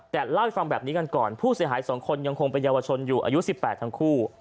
แต่เล่าให้ฟังแบบนี้กันก่อนผู้เสียหาย๒คนยังคงเป็นเยาวชนอยู่อายุ๑๘ทั้งคู่